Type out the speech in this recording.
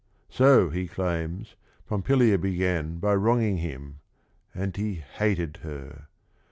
So, he claims, Pompilia began by wronging him, and he hated her.